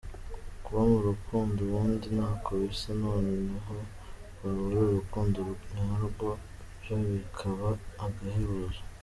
Kuba mu rukundo ubundi ntako bisa, noneho rwaba ari urukundo nyarwo byo bikaba agahebuzo.